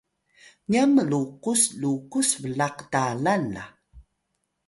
nyan mlukus lukus blaq ktalan la